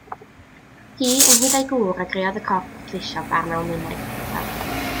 Hi, ynghyd â'i gŵr, a greodd y corff pleidleisio barn Almaeneg cyntaf.